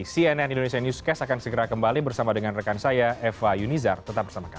cnn indonesia newscast akan segera kembali bersama dengan rekan saya eva yunizar tetap bersama kami